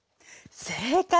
正解。